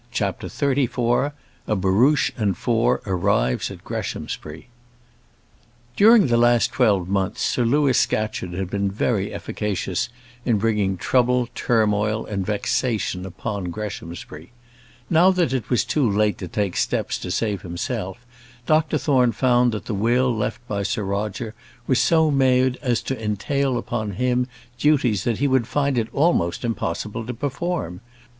CHAPTER XXXIV A Barouche and Four Arrives at Greshamsbury During the last twelve months Sir Louis Scatcherd had been very efficacious in bringing trouble, turmoil, and vexation upon Greshamsbury. Now that it was too late to take steps to save himself, Dr Thorne found that the will left by Sir Roger was so made as to entail upon him duties that he would find it almost impossible to perform.